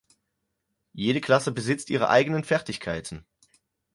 Jede Klasse besitzt ihre eigenen Fertigkeiten.